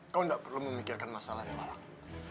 kau nggak perlu memikirkan masalah itu alang